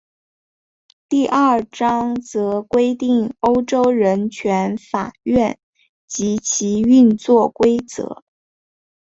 第二章则规定欧洲人权法院及其运作规则。